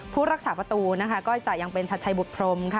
ผู้รักษาประตูนะคะก็จะยังเป็นชัดชัยบุตรพรมค่ะ